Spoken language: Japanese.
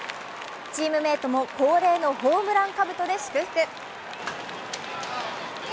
チームメートも恒例のホームランかぶとで祝福。